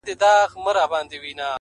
هغه خپه دی!! هغه چم د شناخته نه کوي!!